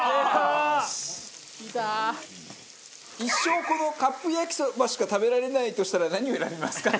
一生このカップ焼きそばしか食べられないとしたら何を選びますか？